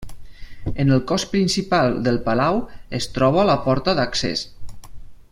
En el cos principal del palau es troba la porta d'accés.